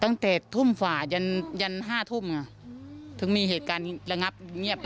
ตั้งแต่ทุ่มฝ่ายันยัน๕ทุ่มถึงมีเหตุการณ์ระงับเงียบ